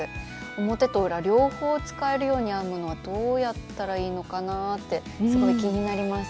表と裏両方使えるように編むのはどうやったらいいのかなってすごい気になります。